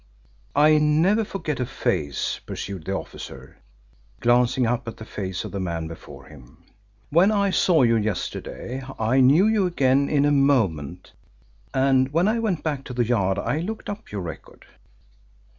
"I never forget a face," pursued the officer, glancing up at the face of the man before him. "When I saw you yesterday I knew you again in a moment, and when I went back to the Yard I looked up your record."